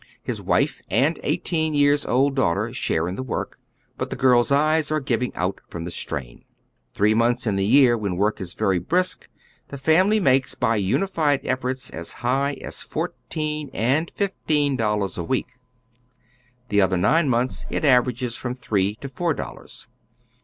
His wife and eighteen years old daughter share in the work, but the girl's eyes are giving out from the strain. Three months in the year, when work is very brisk, the family makes by united efforts as higli as fourteen and fifteen dollars a week. The other nine months it averages from three to four dollars.